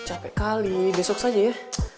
capek kali besok saja ya